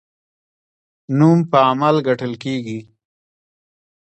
نوم په عمل ګټل کیږي